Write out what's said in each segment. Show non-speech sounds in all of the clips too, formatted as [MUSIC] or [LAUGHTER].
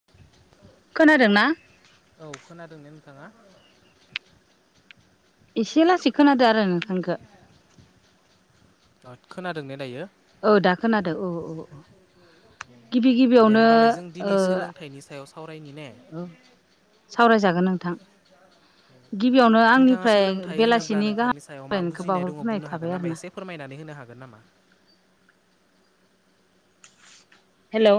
[INAUDIBLE] खोनादों ना औ खोनादों ने नोंथाङा? एसे लासै खोनादो आरो नोंथांनिखो। अ खोनादों ने दायो? औ दा खोनादों औ औ औ। गिबि दे गिबियावनो होमबालाय जों ओ दिनै सोलोंथाइनि सायाव सावरायनि ने। औ सावरायजागोन नोंथां गिबियावनो [UNINTELLIGIBLE] [INAUDIBLE] नोंथाङा आंनिफ्राय सोलोंथाइ होनोब्ला बेलासिनि गाहाम नोंथांनि सायाव मा हामलायनायखौ बुजिनाय दङ बावहरग्रोनाय बुंनो हागोन थाबाय आरो नामा ना एसे। फोरमायनानै होनो हागोन नामा? हेल'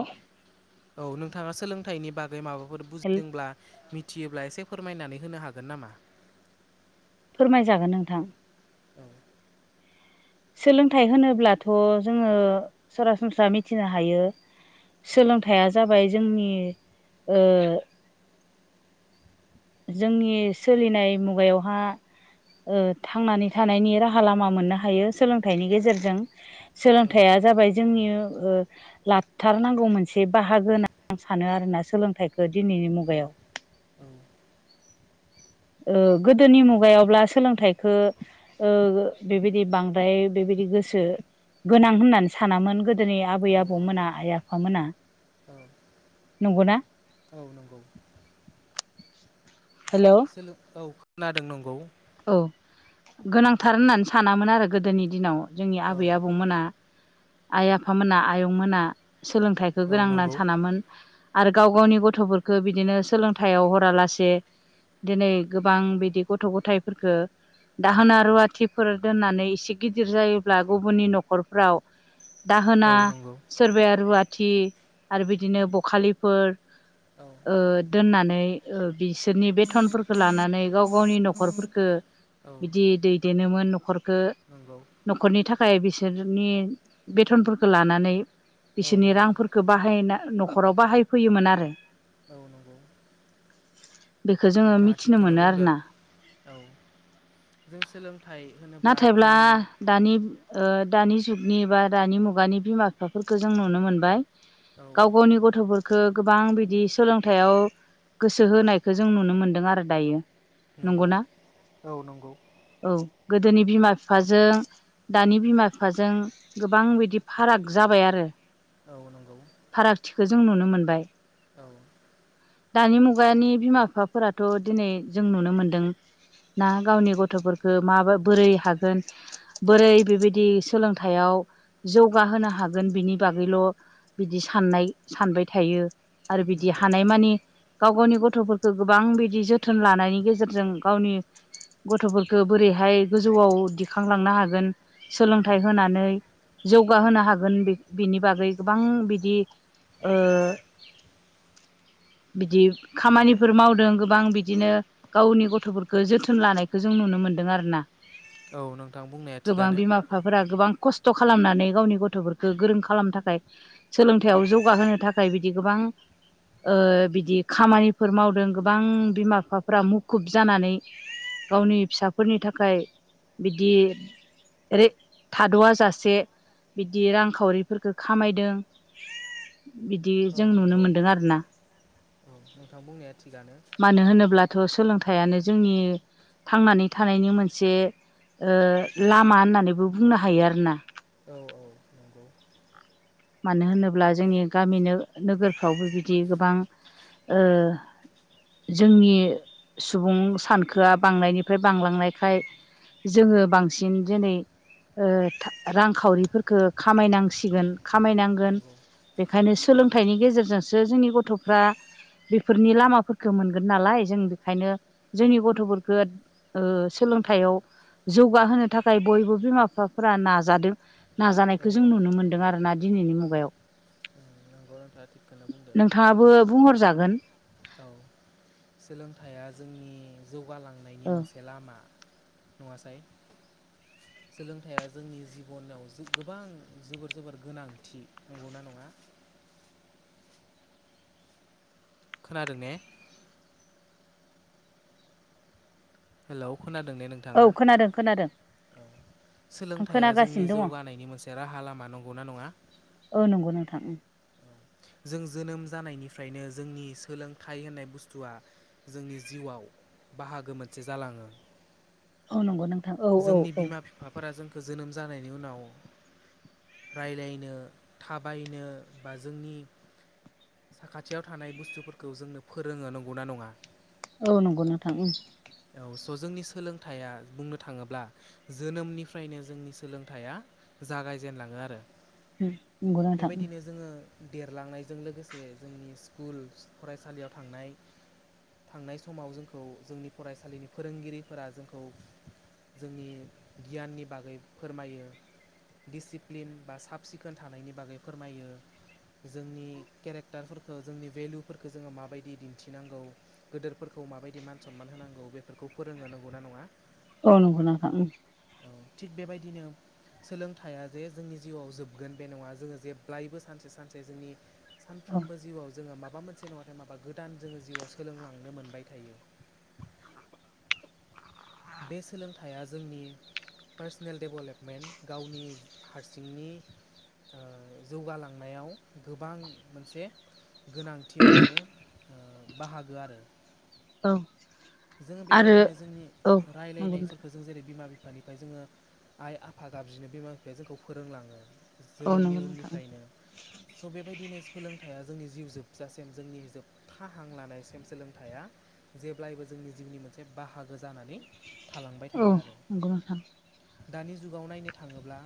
औ नोंथाङा सोलोंथाइनि बागै माबाफोर बुजिदोंब्ला मिथियोब्ला एसे फोरमायनानै होनो हागोन नामा? फोरमायजागोन नोंथां औ सोलोंथाइ होनोब्लाथ' जोङो सरासनस्रा मिथिनो हायो औ सोलोंथाइया जाबाय जोंनि ओ जोंनि सोलिनाय मुगायावहा ओशथांनानै थानायनि राहा लामा मोननो हायो सोलोंथाइनि गेजेरजों। औ सोलोंथाइया जाबाय जोंनि ओ लाथारनांगौ मोनसे बाहागो होननानै आं सानो आरोना सोलोंथाइखौ दिनैनि मुगायाव। औ ओ गोदोनि मुगायावब्ला सोलोंथाइखो ओ बेबायदि बांद्राय बेबायदि गोसो गोनां होननानै सानामोन गोदोनि आबै औ आबौमोना आइ आफामोना। औ नंगौना औ नंगौ हेल' [UNINTELLIGIBLE] औ खोनादों नंगौ औ गोनांथार होननानै सानामोन आरो गोदोनि दिनाव जोंनि औ आबै आबौमोना। आइ आफामोना, आयं मोना सोलोंथाइखौ औ गोनां नंगौ होननानै सानामोन। आरो गाव गावनि गथ'फोरखौ बिदिनो सोलोंथाइयाव हरालासे दिनै गोबां बिदि गथ' गथाय फोरखो दाहोना रुवाथिफोर दोननानै एसे गिदिर जायोब्ला गुबुननि न'खर फ्राव औ दाहोना नंगौ सोरबाया रुवाथि आरो बिदिनो बखालिफोर औ ओ दोननानै ओ बिसोरनि बेथनफोरखौ लानानै गाव गावनि न'खरफोर खो औ बिदि दैदेनोोमोन न'खरखो। नंगौ। न'खरनि थाखाय बिसोरनि बेथनफोरखौ लानानै बिसोरनि नंगौ रांफोरखौ बाहायना न'खराव बाहायफैयोमोन आरो [INAUDIBLE] बेखौ जोङो नोंथाङा मिथिनो थिगखौनो मोनो बुंदों आरोना औ जों सोलोंथाइ होनो नाथायब्ला दानि ओ दानि जुगनि बा दानि मुगानि बिमा बिफाफोरखौ जों नुनो मोनबाय औ गाव गावनि गथ'फोरखौ खो गोबां बिदि सोलोंथायाइयाव गोसो होनायखौ जों नुनो मोनदों आरो दायो नंगौ नंगौना औ नंगौ औ गोदोनि बिमा बिफाजों दानि बिमा बिफाजों गोबां बिदि फाराग जाबाय आरो औ नंगौ फारागथिखौ जों नुनो मोनबाय। औ दानि मुगानि बिमा बिफाफोराथ' दिनै जों नुनो मोनदों ना गावनि गथ'फोरखौ मा बोरै हागोन बोरै बेबायदि सोलोंथाइयाव जौगाहोनो हागोन बिनि बागैल' बिदि साननाय सानबाय थायो आरो बिदि नंगौ हानायमानि गाव गावनि गथ'फोरखौ गोबां बिदि जोथोन लानायनि गेजेरजों गावनि गथ'फोरखौ बोरैहाय गोजौआव दिखांलांनो हागोन नंगौ सोलोंथाइ होनानै जौगाहोनो हागोन बिनि बागै गोबां बिदि ओ [INAUDIBLE] बिदि नंगौ खामानिफोर मावदों गोबां बिदिनो गावनि गथ'फोरखौ जोथोन लानायखौ जों नुनो मोन्दों आरो ना औ नोंथां बुंनाया थिगानो बिफाफोरा गोबां खस्थ' खालामनानै गावनि गथ'फोरखौ गोरों खालामनो थाखाय औ सोलोंथायाइयाव जौगाहोनो थाखाय बिदि गोबां ओ बिदि खामानिफोर मावदों गोबां बिमा बिफाफ्रा मुखुब जानानै गावनि फिसाफोरनि थाखाय बिदि ओरै थाद'व जासे बिदि रांखावरिफोरखौ खामायदों बिदि औ जों नुनो नंगौ मोनदों आरो ना औ नोंथां बुंनाया थिगानो मानो होनोब्लाथ' सोलोंथाइयानो जोंनि थांनानै थानायनि मोनसे ओ लामा होननानैबो बुंनो हायो आरोना औ औ नंगौ मानो होनोब्ला जोंनि गामि नोगोरफ्रावबो बिदि गोबां ओ जोंनि सुबुं सानखोआ बांनायनिफ्राय बांलांनायखाय जोङो बांसिन दिनै ओ रांखावरिफोरखौ खामायनांसिगोन खामायनांगोन नंगौ बेखायनो औ सोलोंथाइनि गेजेरजोंसो जोंनि गथ'फ्रा बेफोरनि लामाफोरफोरखौ मोनगोन नालाय जों बेखायनो जोंनि गथ'फोरखौ ओ सोलोंथाइयाव जौगाहोनो थाखाय बयबो बिमा बिफाफोरा नाजादों औ नाजानायखौ जों औ नुनो मोनदों नंगौ आरोना दिनैनि मुगायाव नंगौ नोंथाङा थिगखौनो बुंदों नोंथाङाबो बुंहरजागोन औ सोलोंथाइया जोंनि जौगालांनायनि औ मोनसे लामा नङासाय [INAUDIBLE] सोलोंथाइया जोंनि जिबनाव गोबां जोबोर जोबोर गोनांथि नंगौना नङा खोनादों ने हेल' खोनादों ने नों औ खोनादों खोनादों आं सोलोंथाइया जोंनि खोनागासिनो दङ जौगानायनि मोनसे राहा लामा नंगौ ना नङा औ नंगौ नोंथां जों जोनोम जानायनिफ्रायनो जोंनि सोलोंथाइ होननाय बुस्थुआ जोंनि जिउआव बाहागो मोन जालाङो औ नंगौ नोंथां औ औ जोंनि औ बिमा फि फाफोरा जोंखौ जोनोम जानायनि उनाव रायलायनो थाबायनो बा जोंनि साखाथियाव थानाय बुस्थुफोरखौ जोंनो फोरोङो नंगौ ना नङा औ नंगौ नोंथां औ स' जोंनि सोलोंथाइया बुंनो थाङोब्ला जोनोमनिफ्रायनो जोंनि सोलोंथाइया जागायजेनलाङो आरो उम नंगौ नोंथां उम बेबायदिनो जोङो देरलांनायजों लोगोसे जे जोंनि स्कुल फरायसालियाव थांनाय थांनाय समाव जोंखौ जोंनि फरायसालिनि फोरोंगिरिफोरा जोंखौ जोंनि गियाननि बागै फोरमायो डिसिप्लिन बा साब सिखोन थानायनि बागै फोरमायो जोंनि केरेक्टारफोरखो जोंनि भेलुफोरखो जोङो माबायदि दिन्थिनांगौ गोदोरफोरखौ माबायदि मान सनमान होनांगौ बेफोरखौ फोरोङो नंगौ ना नङा? औ नंगौ नोंथां उम औ थिग बेबायदिनो सोलोंथाइया जे जोंनि जिउआव जोबगोन बे नङा जोङो जेब्लायबो सानसे सानसे जोंनि औ सानफ्रोमबो जिउआव जोङो माबा मोनसे नङाथाय माबा गोदान जोङो जिउआव सोलोंलांनो मोनबाय थायो। बे सोलोंथाइया जोंनि पार्सनेल डेभ'लेपमेन्ट गावनि हारसिंनि ओ जौगालांनायाव गोबां मोनसे गोनांथि मोनसे ओ बाहागो आरो। औ जोङो आरो बेबायदिनो जोंनि औ नंगौ नोंथां रायलायनायफोरखो जों जेरै बिमा बिफानिफाय जोङो आइ आफा गाबज्रिनो बिमा बिफाया जोंखौ फोरोंलाङो औ जोनोमनि नंगौ नोंथां उननिफ्रायनो स' बेबायदिनो सोलोंथाइया जोंनि जिउ जोबजासेम जोंनि जोब था हां लानायसिम सोलोंथाइया जेब्लायबो जोंनि जिउनि मोनसे बाहागो जानानै थालांबाय औ थायो आरो। नंगौ नोंथां दानि जुगाव नायनो थाङोब्ला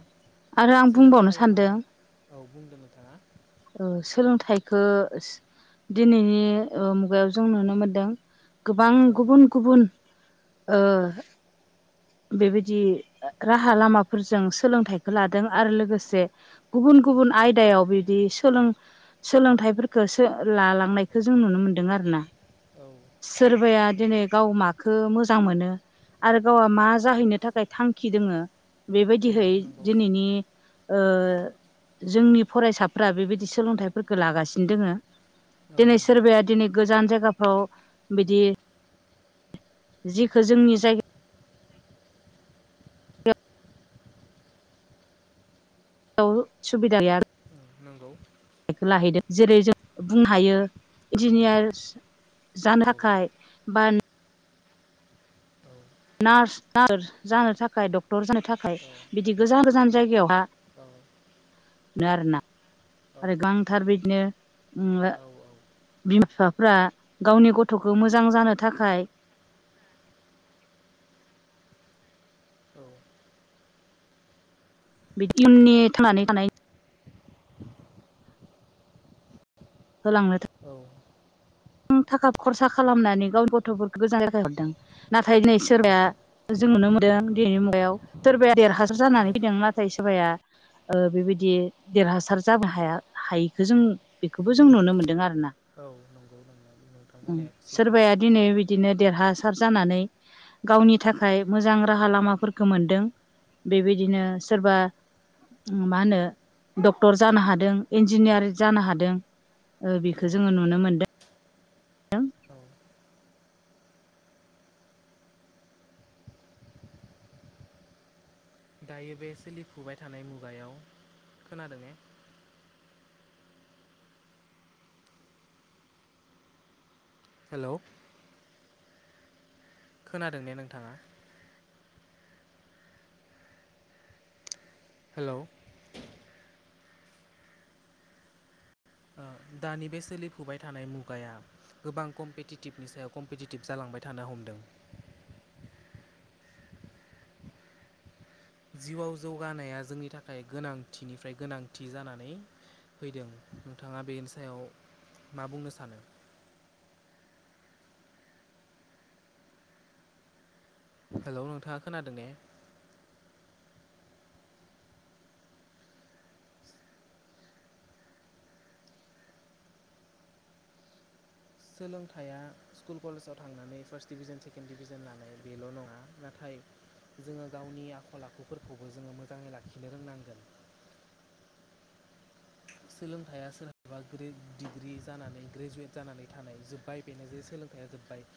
आरो आं बुंबावनो सोलोंथाइ नङा सानदों औ बुंदो नोंथाङा ओ सोलोंथाइखो दिनैनि ओ मुगायाव जों नुनो मोनदों गोबां औ गुबुन गुबुन ओ बेबायदि राहा लामाफोरजों सोलोंथाइखो लादों आरो लोगोसे गुबुन गुबुन आयदायाव बिदि सोलों सोलोंथाइफोरखो सो लालांनायखो जों नुनो मोनदों आरो ना। औ सोरबाया दिनै गाव माखो मोजां मोनो आरो गावआ मा जाहैनो थाखाय थांखि दोङो उम बेबायदिहै नंगौ दिनैनि ओ जोंनि फरायसाफ्रा बेबायदि सोलोंथाइफोरखो लागासिनो दोङो। औ दिनै नंगौ सोरबाया दिनै गोजान जायगाफ्राव बिदि जिखो जोंनि जायगा याव सुबिदा गैया नोंगौ। एखो लाहैदो जेरै जों बुंनो हायो इन्जिनियार जानो औ थाखाय बान औ नार्स [UNINTELLIGIBLE] जानो थाखाय डक्टर जानो थाखाय बिदि गोजान गोजान जायगायावहा औ नो आरोना औ आरो गांथार बिदिनो ओ औ औ बिमा बिफाफ्रा गावनि गथ'खो मोजां जानो थाखाय औ बिदि इयुननि थांनानै थानाय होलांनो औ बां थाखा खरसा खालामनानै गावनि गथ'फोरखो गोजान [INAUDIBLE] हरदों नाथाय नै औ सोरबाया जों नुनो मोनदों दिनैनि मुगायाव सोरबाया देरहासार औ जानानै फैदों नाथाय सोरबाया ओ बेबायदि देरहासार जानो हाया हायिखो जों बेखोबो जों नुनो मोनदों आरोना। औ नंगौ नंनाया ओं सोरबाया दिनै बिदिनो देरहासार जानानै गावनि थाखाय मोजां राहा लामाफोरखो मोनदों बेबायदिनो सोरबा उम मा होनो डक्टर जानो हादों इन्जिनियार जानो हादों। ओ औ बेखो जोङो नुनो मोनदो दों। औ दायो बे सोलिफुबाय थानाय मुगायाव खोनादों ने हेलौ खोनादों ने नोंथाङा हेलौ आ दानि बे सोलिफुबाय थानाय मुगाया गोबां कम्पिटिटिभनि सायाव कम्पिटिटिभ जालांबाय थानो हमदों जिउआव जौगानाया जोंनि थाखाय गोनांथिनिफ्राय गोनांथि जानानै फैदों नोंथाङा बेनि सायाव मा बुंनो सानो हेलौ नोंथाङा खोनादों ने सोलोंथाइया स्कुल कलेजाव थांनानै फार्स्ट डिभिजन सेकेणड डिभिजन लानाय बेल' नङा नाथाय जोङो गावनि आखल आखुफोरखौबो जोङो मोजाङै लाखिनो रोंनांगोन सोलोंथाइया सोरहाबा डिग्रि जानानै ग्रेजुवेट जानानै थानाय जोब्बाय बेनो जे सोलों या जोब्बाय